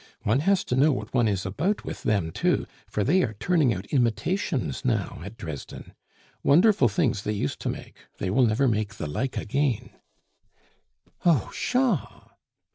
One has to know what one is about with them too, for they are turning out imitations now at Dresden. Wonderful things they used to make; they will never make the like again " "Oh! pshaw!"